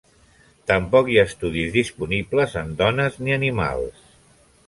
Tampoc hi ha estudis disponibles en dones ni animals.